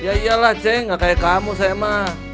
ya iyalah c nggak kayak kamu saya mah